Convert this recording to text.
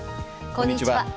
こんにちは。